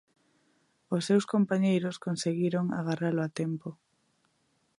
Os seus compañeiros conseguiron agarralo a tempo.